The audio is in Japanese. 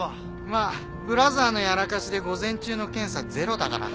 まあブラザーのやらかしで午前中の検査ゼロだから。